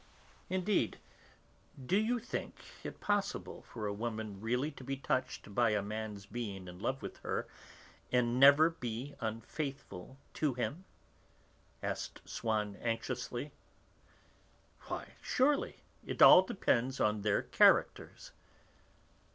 "Indeed, do you think it possible for a woman really to be touched by a man's being in love with her, and never to be unfaithful to him?" asked Swann anxiously. "Why, surely! It all depends on their characters!"